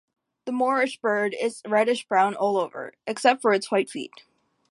This moorland bird is reddish brown all over, except for its white feet.